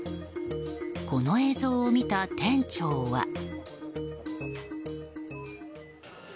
この映像を見た店長は。